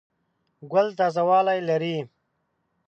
ګل تازه والی لري.